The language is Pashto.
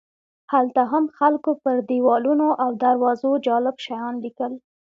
هلته هم خلکو پر دیوالونو او دروازو جالب شیان لیکل.